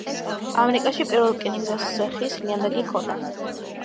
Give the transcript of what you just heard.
...ამერიკაში პირველ რკინიგზას ხის ლიანდაგი ჰქონდა...